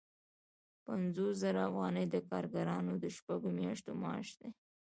پنځوس زره افغانۍ د کارګرانو د شپږو میاشتو معاش دی